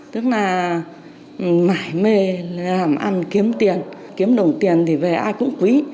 tức là mải mê làm ăn kiếm tiền kiếm đồng tiền thì về ai cũng quý